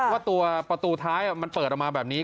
ว่าตัวประตูท้ายมันเปิดออกมาแบบนี้